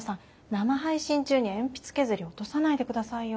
生配信中に鉛筆削り落とさないで下さいよ。